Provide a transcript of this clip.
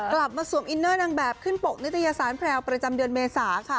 กลับมาสวมอินเนอร์นางแบบขึ้นปกในตัยสารแผลประจำเดือนเมษาค่ะ